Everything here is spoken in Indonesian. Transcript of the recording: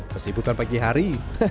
kesibukan pagi hari